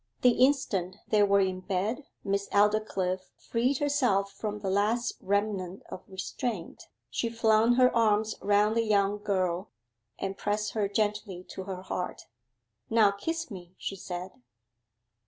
The instant they were in bed Miss Aldclyffe freed herself from the last remnant of restraint. She flung her arms round the young girl, and pressed her gently to her heart. 'Now kiss me,' she said.